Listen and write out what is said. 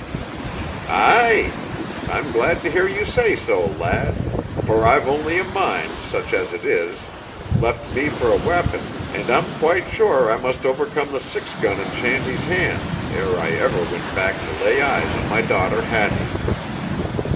"Aye? I'm glad to hear you say so, lad, for I've only a mind, such as it is, left me for a weapon, and I'm quite sure I must overcome the six gun in Shanty's hand ere I ever win back to lay eyes on my daughter Hattie."